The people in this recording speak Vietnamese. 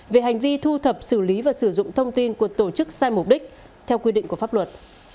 về hành vi thu thập xử lý và sử dụng thông tin của tổ chức sai mục đích theo quy định của pháp luật